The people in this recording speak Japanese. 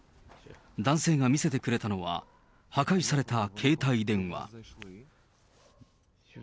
男性が見せてくれたのは、破壊された携帯電話。